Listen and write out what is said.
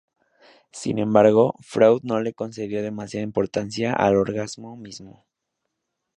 Sin embargo, Freud no le concedió demasiada importancia al orgasmo mismo.